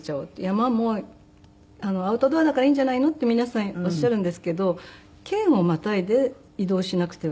山もアウトドアだからいいんじゃないのって皆さんおっしゃるんですけど県をまたいで移動しなくてはいけないし。